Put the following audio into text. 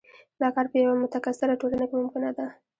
دا کار په یوه متکثره ټولنه کې ممکنه ده.